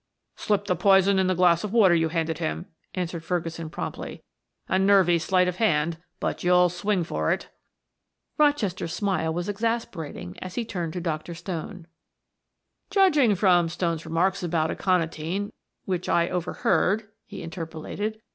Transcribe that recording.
"Slipped the poison in the glass of water you handed him," answered Ferguson promptly. "A nervy sleight of hand, but you'll swing for it." Rochester's smile was exasperating as he turned to Dr. Stone. "Judging from Stone's remarks about aconitine which I overheard," he interpolated.